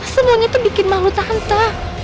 semuanya tuh bikin malu tante